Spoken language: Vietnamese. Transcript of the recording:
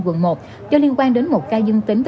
quận một do liên quan đến một ca dương tính